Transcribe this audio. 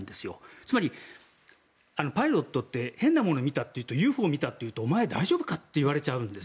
つまりパイロットって変なものを見たというとＵＦＯを見たというとお前大丈夫かといわれちゃうんです。